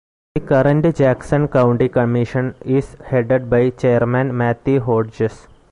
The current Jackson County Commission is headed by Chairman Matthew Hodges.